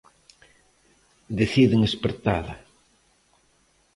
Deciden espertala.